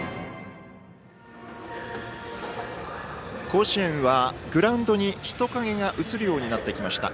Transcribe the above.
甲子園はグラウンドに人影が写るようになってきました。